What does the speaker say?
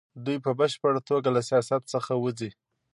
دوی په بشپړه توګه له سیاست څخه وځي.